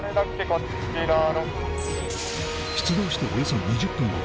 こちら出動しておよそ２０分後